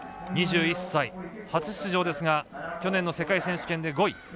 ２１歳、初出場ですが去年の世界選手権で５位。